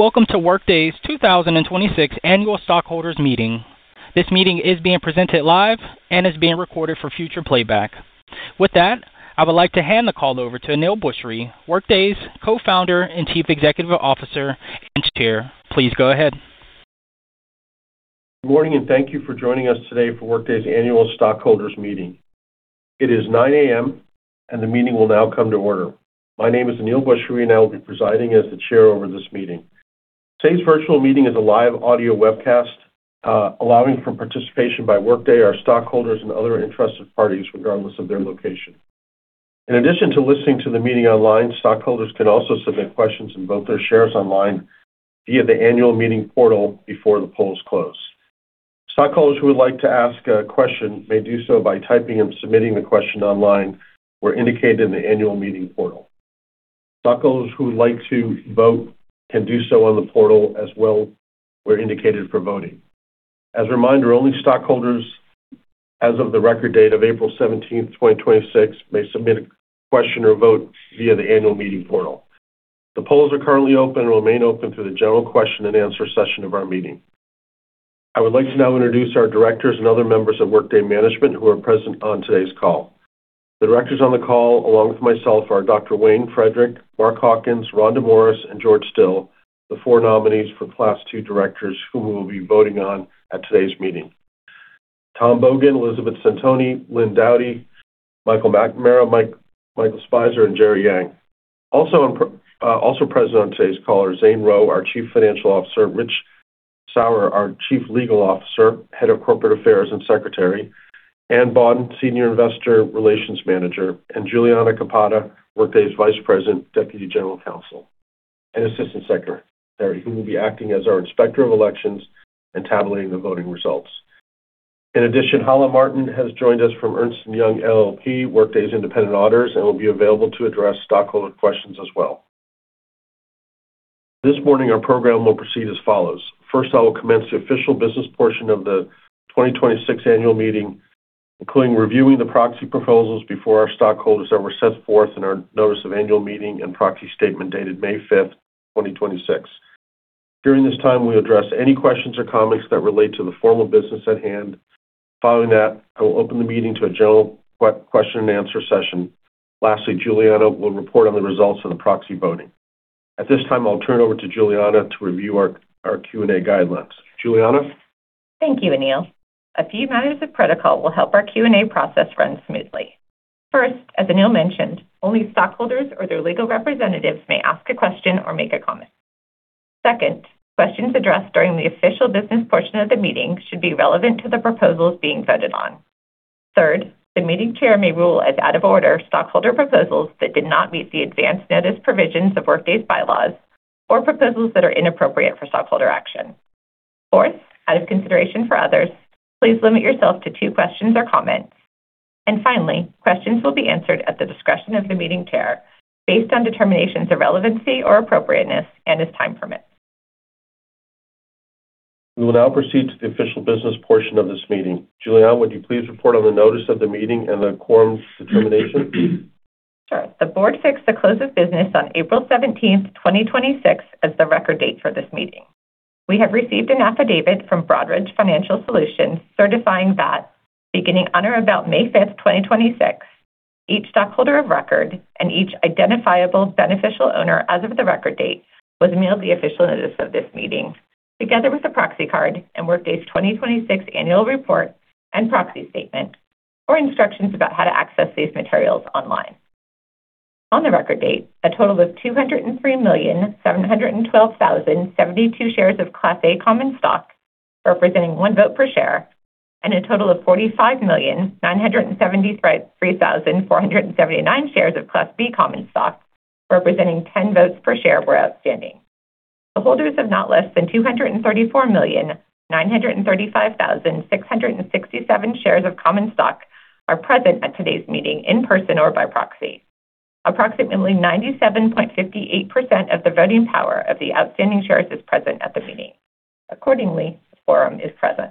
Welcome to Workday's 2026 annual stockholders meeting. This meeting is being presented live and is being recorded for future playback. With that, I would like to hand the call over to Aneel Bhusri, Workday's Co-Founder and Chief Executive Officer and Chair. Please go ahead. Good morning. Thank you for joining us today for Workday's annual stockholders meeting. It is 9:00 A.M., and the meeting will now come to order. My name is Aneel Bhusri, and I will be presiding as the chair over this meeting. Today's virtual meeting is a live audio webcast, allowing for participation by Workday, our stockholders, and other interested parties, regardless of their location. In addition to listening to the meeting online, stockholders can also submit questions and vote their shares online via the annual meeting portal before the polls close. Stockholders who would like to ask a question may do so by typing and submitting the question online where indicated in the annual meeting portal. Stockholders who would like to vote can do so on the portal as well, where indicated for voting. As a reminder, only stockholders as of the record date of April 17th, 2026, may submit a question or vote via the annual meeting portal. The polls are currently open and will remain open through the general question and answer session of our meeting. I would like to now introduce our directors and other members of Workday management who are present on today's call. The directors on the call, along with myself, are Dr. Wayne Frederick, Mark Hawkins, Rhonda Morris, and George Still, the four nominees for Class II directors who we will be voting on at today's meeting. Tom Bogan, Elizabeth Centoni, Lynne Doughtie, Michael McNamara, Michael Speiser, and Jerry Yang. Also present on today's call are Zane Rowe, our Chief Financial Officer, Rich Sauer, our Chief Legal Officer, Head of Corporate Affairs and Secretary, Anne Boden, Senior Investor Relations Manager, and Juliana Kapata, Workday's Vice President, Deputy General Counsel, and Assistant Secretary, who will be acting as our inspector of elections and tabulating the voting results. In addition, Hala Martin has joined us from Ernst & Young LLP, Workday's independent auditors, and will be available to address stockholder questions as well. This morning, our program will proceed as follows. First, I will commence the official business portion of the 2026 annual meeting, including reviewing the proxy proposals before our stockholders that were set forth in our notice of annual meeting and proxy statement dated May 5th, 2026. During this time, we address any questions or comments that relate to the formal business at hand. Following that, I will open the meeting to a general question and answer session. Lastly, Juliana will report on the results of the proxy voting. At this time, I'll turn over to Juliana to review our Q&A guidelines. Juliana? Thank you, Aneel. A few matters of protocol will help our Q&A process run smoothly. First, as Aneel mentioned, only stockholders or their legal representatives may ask a question or make a comment. Second, questions addressed during the official business portion of the meeting should be relevant to the proposals being voted on. Third, the meeting chair may rule as out of order stockholder proposals that did not meet the advance notice provisions of Workday's bylaws or proposals that are inappropriate for stockholder action. Fourth, out of consideration for others, please limit yourself to two questions or comments. Finally, questions will be answered at the discretion of the meeting chair based on determinations of relevancy or appropriateness and as time permits. We will now proceed to the official business portion of this meeting. Juliana, would you please report on the notice of the meeting and the quorum's determination? Sure. The board fixed the close of business on April 17th, 2026, as the record date for this meeting. We have received an affidavit from Broadridge Financial Solutions certifying that beginning on or about May 5th, 2026, each stockholder of record and each identifiable beneficial owner as of the record date was mailed the official notice of this meeting, together with a proxy card and Workday's 2026 annual report and proxy statement or instructions about how to access these materials online. On the record date, a total of 203,712,072 shares of Class A common stock, representing one vote per share, and a total of 45,973,479 shares of Class B common stock, representing 10 votes per share, were outstanding. The holders of not less than 234,935,667 shares of common stock are present at today's meeting in person or by proxy. Approximately 97.58% of the voting power of the outstanding shares is present at the meeting. Accordingly, the quorum is present.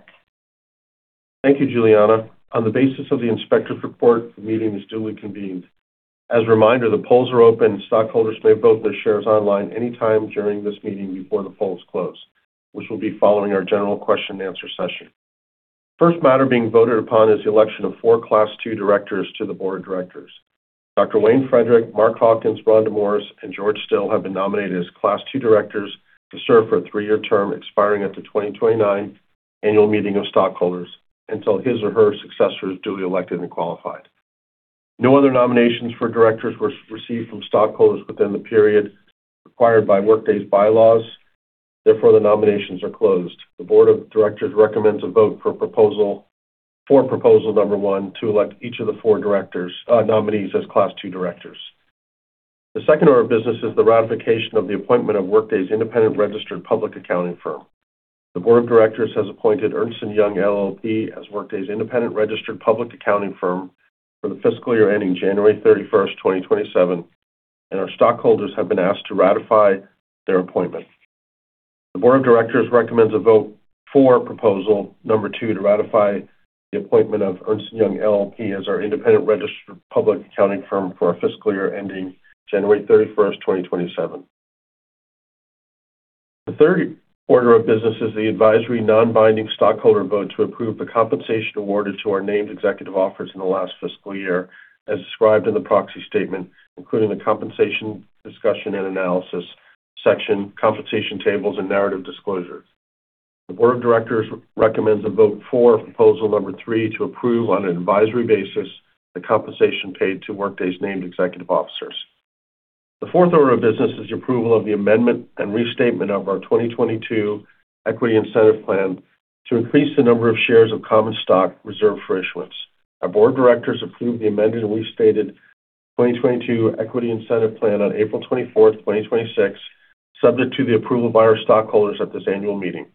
Thank you, Juliana. On the basis of the inspector's report, the meeting is duly convened. As a reminder, the polls are open. Stockholders may vote their shares online any time during this meeting before the polls close, which will be following our general question and answer session. First matter being voted upon is the election of four Class II directors to the board of directors. Dr. Wayne Frederick, Mark Hawkins, Rhonda Morris, and George Still have been nominated as Class II directors to serve for a three-year term expiring at the 2029 annual meeting of stockholders until his or her successor is duly elected and qualified. No other nominations for directors were received from stockholders within the period required by Workday's bylaws. Therefore, the nominations are closed. The board of directors recommends a vote for proposal number one to elect each of the four nominees as Class II directors. The second order of business is the ratification of the appointment of Workday's independent registered public accounting firm. The board of directors has appointed Ernst & Young LLP as Workday's independent registered public accounting firm for the fiscal year ending January 31st, 2027, and our stockholders have been asked to ratify their appointment. The board of directors recommends a vote for proposal number two to ratify the appointment of Ernst & Young LLP as our independent registered public accounting firm for our fiscal year ending January 31st, 2027. The third order of business is the advisory, non-binding stockholder vote to approve the compensation awarded to our named executive officers in the last fiscal year, as described in the proxy statement, including the compensation discussion and analysis section, compensation tables, and narrative disclosures. The board of directors recommends a vote for proposal number three to approve, on an advisory basis, the compensation paid to Workday's named executive officers. The fourth order of business is approval of the amendment and restatement of our 2022 Equity Incentive Plan to increase the number of shares of common stock reserved for issuance. Our board of directors approved the amended and restated 2022 Equity Incentive Plan on April 24th, 2026, subject to the approval by our stockholders at this annual meeting.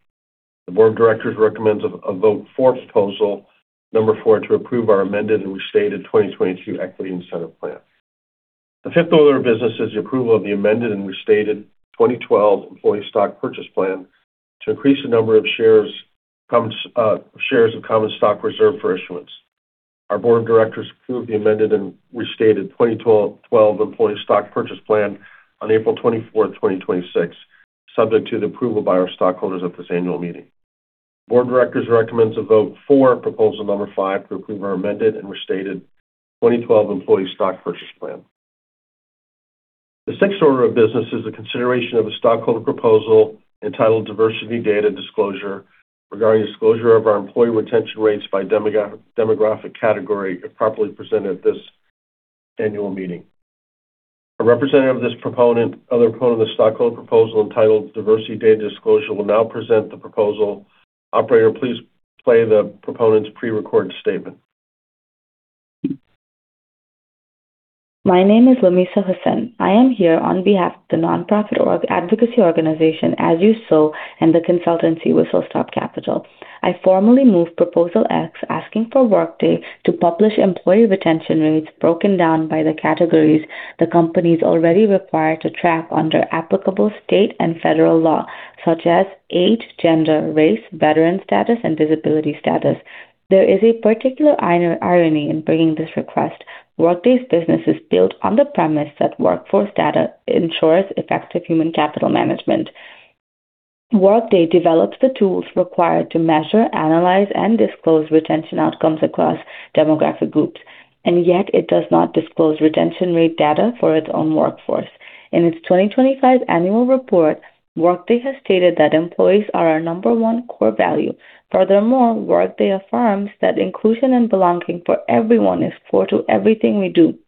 The board of directors recommends a vote for proposal number four to approve our amended and restated 2022 Equity Incentive Plan. The fifth order of business is the approval of the amended and restated 2012 Employee Stock Purchase Plan to increase the number of shares of common stock reserved for issuance. Our board of directors approved the amended and restated 2012 Employee Stock Purchase Plan on April 24th, 2026, subject to the approval by our stockholders at this annual meeting. The board of directors recommends a vote for proposal number five to approve our amended and restated 2012 Employee Stock Purchase Plan. The sixth order of business is the consideration of a stockholder proposal entitled Diversity Data Disclosure regarding disclosure of our employee retention rates by demographic category, if properly presented at this annual meeting. A representative of this proponent of the stockholder proposal entitled Diversity Data Disclosure will now present the proposal. Operator, please play the proponent's pre-recorded statement. My name is Lamisa Hussein. I am here on behalf of the nonprofit advocacy organization, As You Sow, and the consultancy Whistle Stop Capital. I formally move Proposal X, asking for Workday to publish employee retention rates broken down by the categories the company's already required to track under applicable state and federal law, such as age, gender, race, veteran status, and disability status. There is a particular irony in bringing this request. Workday's business is built on the premise that workforce data ensures effective human capital management. Workday develops the tools required to measure, analyze, and disclose retention outcomes across demographic groups, and yet it does not disclose retention rate data for its own workforce. In its 2025 annual report, Workday has stated that employees are our number one core value. Workday affirms that inclusion and belonging for everyone is core to everything we do.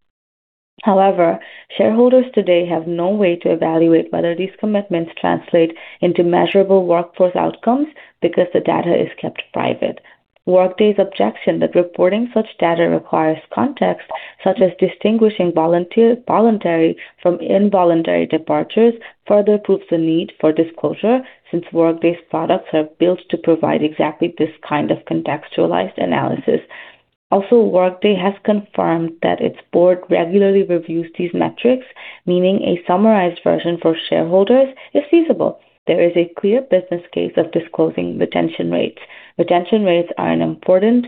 Shareholders today have no way to evaluate whether these commitments translate into measurable workforce outcomes because the data is kept private. Workday's objection that reporting such data requires context, such as distinguishing voluntary from involuntary departures, further proves the need for disclosure, since Workday's products are built to provide exactly this kind of contextualized analysis. Workday has confirmed that its board regularly reviews these metrics, meaning a summarized version for shareholders is feasible. There is a clear business case of disclosing retention rates. Retention rates are an important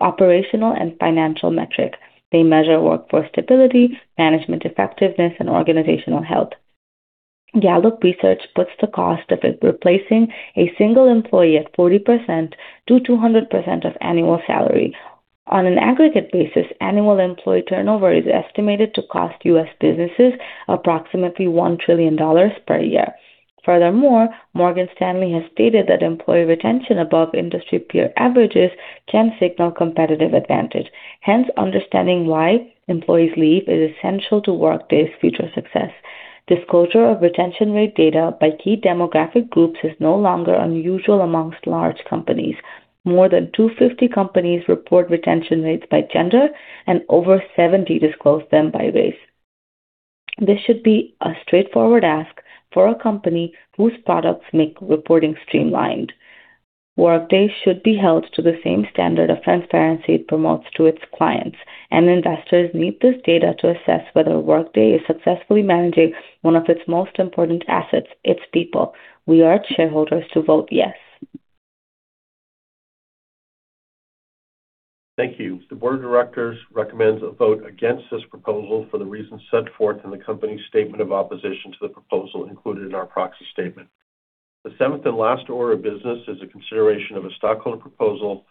operational and financial metric. They measure workforce stability, management effectiveness, and organizational health. Gallup research puts the cost of replacing a single employee at 40%-200% of annual salary. On an aggregate basis, annual employee turnover is estimated to cost U.S. businesses approximately $1 trillion per year. Morgan Stanley has stated that employee retention above industry peer averages can signal competitive advantage. Understanding why employees leave is essential to Workday's future success. Disclosure of retention rate data by key demographic groups is no longer unusual amongst large companies. More than 250 companies report retention rates by gender, and over 70 disclose them by race. This should be a straightforward ask for a company whose products make reporting streamlined. Workday should be held to the same standard of transparency it promotes to its clients, and investors need this data to assess whether Workday is successfully managing one of its most important assets, its people. We urge shareholders to vote yes. Thank you. The board of directors recommends a vote against this proposal for the reasons set forth in the company's statement of opposition to the proposal included in our proxy statement. The seventh and last order of business is a consideration of a stockholder proposal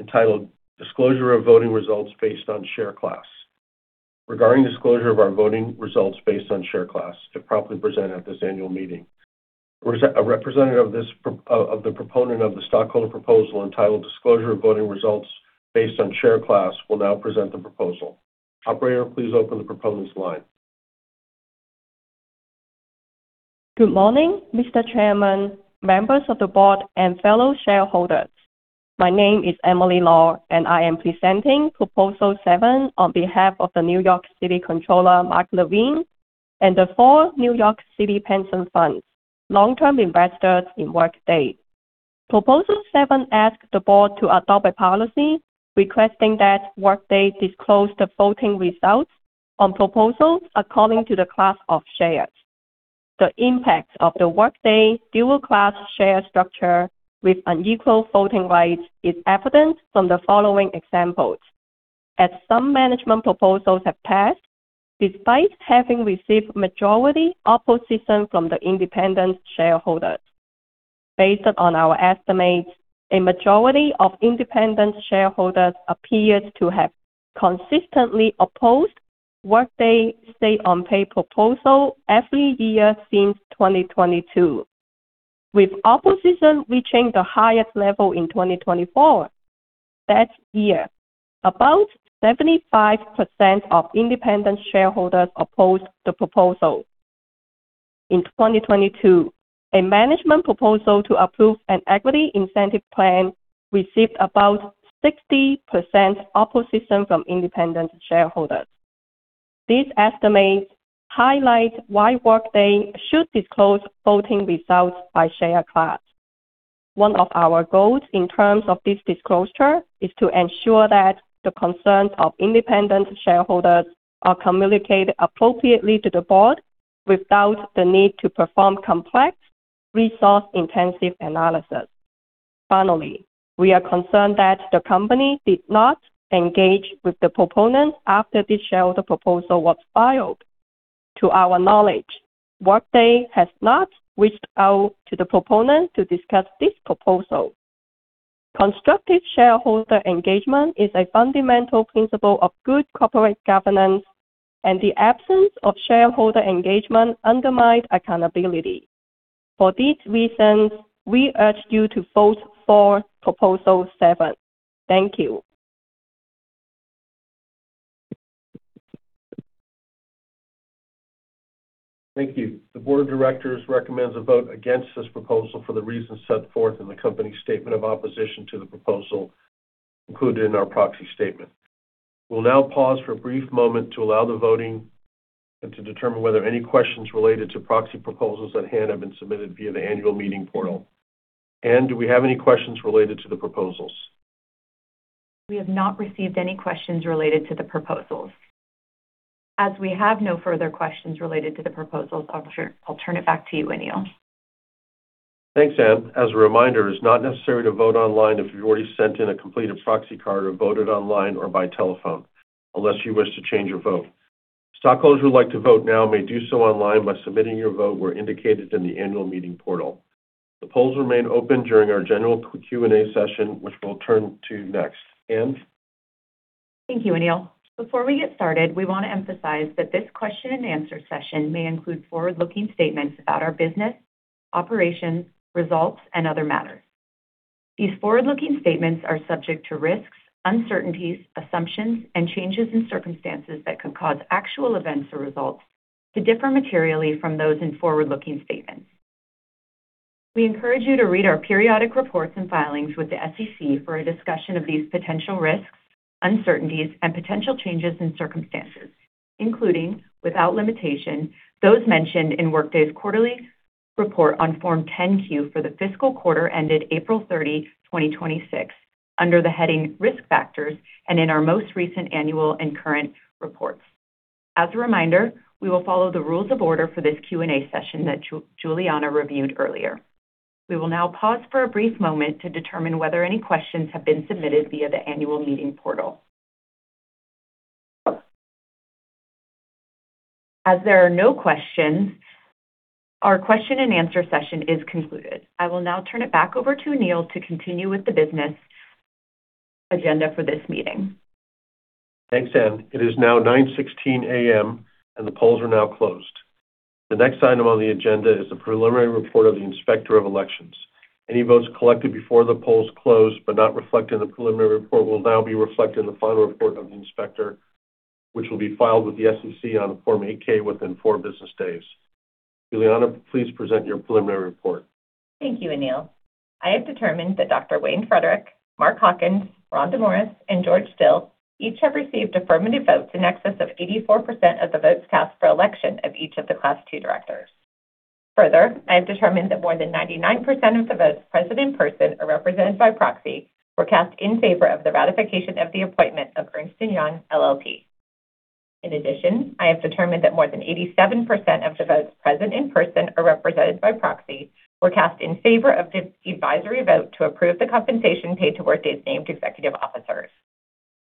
entitled Disclosure of Voting Results Based on Share Class regarding disclosure of our voting results based on share class, if properly presented at this annual meeting. A representative of the proponent of the stockholder proposal entitled Disclosure of Voting Results Based on Share Class will now present the proposal. Operator, please open the proponent's line. Good morning, Mr. Chairman, members of the board, and fellow shareholders. My name is Emily Law, and I am presenting Proposal Seven on behalf of the New York City Comptroller, Mark Levine, and the four New York City pension funds, long-term investors in Workday. Proposal Seven asks the board to adopt a policy requesting that Workday disclose the voting results on proposals according to the class of shares. The impact of the Workday dual class share structure with unequal voting rights is evident from the following examples, as some management proposals have passed despite having received majority opposition from the independent shareholders. Based on our estimates, a majority of independent shareholders appeared to have consistently opposed Workday's say-on-pay proposal every year since 2022, with opposition reaching the highest level in 2024. That year, about 75% of independent shareholders opposed the proposal. In 2022, a management proposal to approve an equity incentive plan received about 60% opposition from independent shareholders. These estimates highlight why Workday should disclose voting results by share class. One of our goals in terms of this disclosure is to ensure that the concerns of independent shareholders are communicated appropriately to the board without the need to perform complex, resource-intensive analysis. Finally, we are concerned that the company did not engage with the proponents after this shareholder proposal was filed. To our knowledge, Workday has not reached out to the proponents to discuss this proposal. Constructive shareholder engagement is a fundamental principle of good corporate governance, and the absence of shareholder engagement undermines accountability. For these reasons, we urge you to vote for Proposal Seven. Thank you. Thank you. The board of directors recommends a vote against this proposal for the reasons set forth in the company statement of opposition to the proposal included in our proxy statement. We'll now pause for a brief moment to allow the voting and to determine whether any questions related to proxy proposals at hand have been submitted via the annual meeting portal. Anne, do we have any questions related to the proposals? We have not received any questions related to the proposals. As we have no further questions related to the proposals, I'll turn it back to you, Aneel. Thanks, Anne. As a reminder, it is not necessary to vote online if you've already sent in a completed proxy card or voted online or by telephone unless you wish to change your vote. Stockholders who would like to vote now may do so online by submitting your vote where indicated in the annual meeting portal. The polls remain open during our general Q&A session, which we'll turn to next. Anne? Thank you, Aneel. Before we get started, we want to emphasize that this question and answer session may include forward-looking statements about our business, operations, results, and other matters. These forward-looking statements are subject to risks, uncertainties, assumptions, and changes in circumstances that could cause actual events or results to differ materially from those in forward-looking statements. We encourage you to read our periodic reports and filings with the SEC for a discussion of these potential risks, uncertainties, and potential changes in circumstances, including, without limitation, those mentioned in Workday's quarterly report on Form 10-Q for the fiscal quarter ended April thirtieth, 2026, under the heading Risk Factors, and in our most recent annual and current reports. As a reminder, we will follow the rules of order for this Q&A session that Juliana reviewed earlier. We will now pause for a brief moment to determine whether any questions have been submitted via the annual meeting portal. As there are no questions, our question and answer session is concluded. I will now turn it back over to Aneel to continue with the business agenda for this meeting. Thanks, Anne. It is now 9:00 A.M. The polls are now closed. The next item on the agenda is the preliminary report of the Inspector of Elections. Any votes collected before the polls closed but not reflected in the preliminary report will now be reflected in the final report of the inspector, which will be filed with the SEC on a Form 8-K within four business days. Juliana, please present your preliminary report. Thank you, Aneel. I have determined that Dr. Wayne Frederick, Mark Hawkins, Rhonda Morris, and George Still each have received affirmative votes in excess of 84% of the votes cast for election of each of the Class II directors. I have determined that more than 99% of the votes present in person or represented by proxy were cast in favor of the ratification of the appointment of Ernst & Young LLP. I have determined that more than 87% of the votes present in person or represented by proxy were cast in favor of the advisory vote to approve the compensation paid to Workday's named executive officers.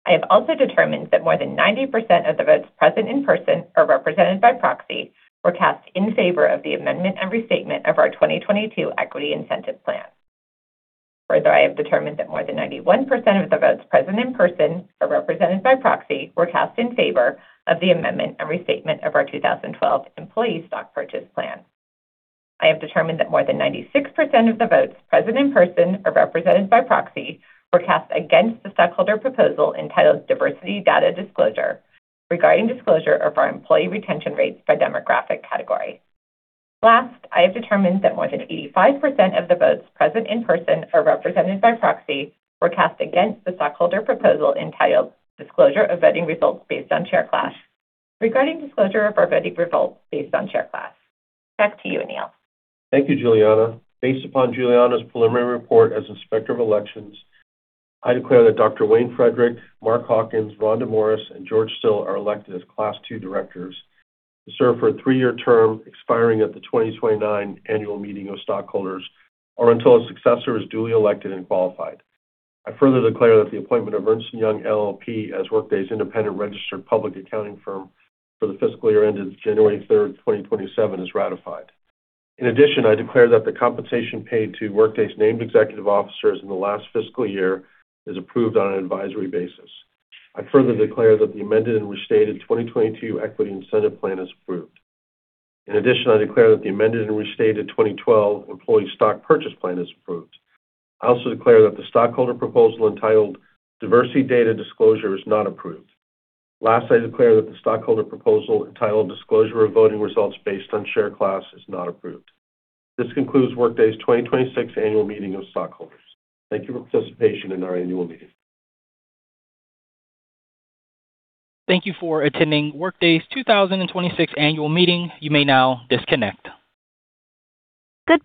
I have also determined that more than 90% of the votes present in person or represented by proxy were cast in favor of the amendment and restatement of our 2022 Equity Incentive Plan. I have determined that more than 91% of the votes present in person or represented by proxy were cast in favor of the amendment and restatement of our 2012 Employee Stock Purchase Plan. I have determined that more than 96% of the votes present in person or represented by proxy were cast against the stockholder proposal entitled Diversity Data Disclosure regarding disclosure of our employee retention rates by demographic category. I have determined that more than 85% of the votes present in person or represented by proxy were cast against the stockholder proposal entitled Disclosure of Voting Results Based on Share Class regarding disclosure of our voting results based on share class. Back to you, Aneel. Thank you, Juliana. Based upon Juliana's preliminary report as Inspector of Elections, I declare that Dr. Wayne Frederick, Mark Hawkins, Rhonda Morris, and George Still are elected as Class II directors to serve for a three-year term expiring at the 2029 Annual Meeting of Stockholders or until a successor is duly elected and qualified. I declare that the appointment of Ernst & Young LLP, as Workday's independent registered public accounting firm for the fiscal year ended January third, 2027, is ratified. I declare that the compensation paid to Workday's named executive officers in the last fiscal year is approved on an advisory basis. I declare that the amended and restated 2022 Equity Incentive Plan is approved. I declare that the amended and restated 2012 Employee Stock Purchase Plan is approved. I also declare that the stockholder proposal entitled Diversity Data Disclosure is not approved. Last, I declare that the stockholder proposal entitled Disclosure of Voting Results Based on Share Class is not approved. This concludes Workday's 2026 Annual Meeting of Stockholders. Thank you for your participation in our Annual Meeting. Thank you for attending Workday's 2026 Annual Meeting. You may now disconnect. Goodbye